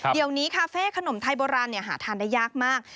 เดี๋ยวนี้คาเฟ่ขนมไทยโบราณหาทานได้ยากมาก